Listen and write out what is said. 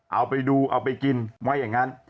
เอาไปดูเอาไปกินไว้อย่างนั้น